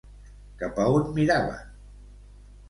Cap a on miraven?